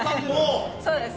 そうですね。